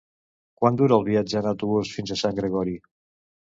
Quant dura el viatge en autobús fins a Sant Gregori?